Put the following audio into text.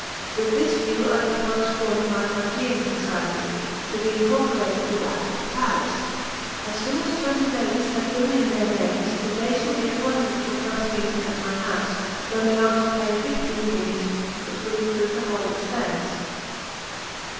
With this view I propose forming my Hygeian Society, to be incorporated with that of Paris. As soon as twenty ladies have given in their names, the day shall be appointed for the first meeting at my house, when they are to pay fifteen guineas, which will include the whole expense."